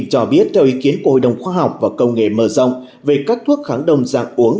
cho biết theo ý kiến của hội đồng khoa học và công nghệ mờ dông về các thuốc kháng đông dạng uống